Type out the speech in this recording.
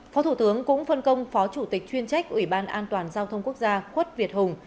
phó thủ tướng cũng phân công phó chủ tịch chuyên trách ủy ban an toàn giao thông quốc gia khuất việt hùng